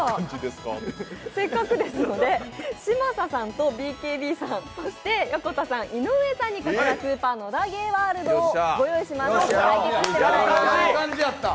せっかくですので嶋佐さんとＢＫＢさん、そして横田さん、井上さんに「スーパー野田ゲーワールド」を御用意しました。